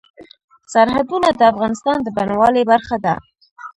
سرحدونه د افغانستان د بڼوالۍ برخه ده.